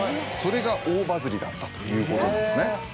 それが大バズりだったということなんですね。